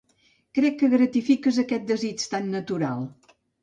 Crec que gratifiques aquest desig tan natural.